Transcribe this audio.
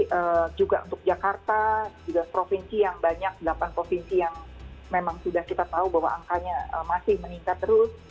jadi juga untuk jakarta juga provinsi yang banyak delapan provinsi yang memang sudah kita tahu bahwa angkanya masih meningkat terus